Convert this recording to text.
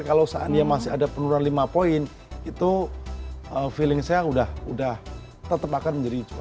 kalau seandainya masih ada penurunan lima poin itu feeling saya sudah tetap akan menjadi